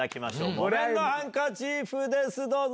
木綿のハンカチーフです、どうぞ。